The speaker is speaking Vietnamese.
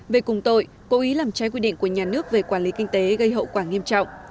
về cùng tội cố ý làm trái quy định của nhà nước về quản lý kinh tế gây hậu quả nghiêm trọng